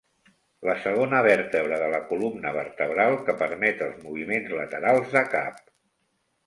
La segona vèrtebra de la columna vertebral que permet els moviments laterals de cap.